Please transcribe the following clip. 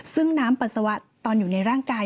ซึ่งน้ำปัสสาวะตอนอยู่ในร่างกาย